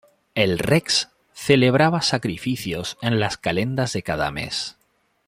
El "rex" celebraba sacrificios en las calendas de cada mes.